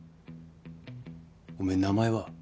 おめえ名前は？